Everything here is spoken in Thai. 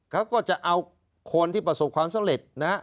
เขาก็จะเอาคนที่ประสบความสำเร็จนะฮะ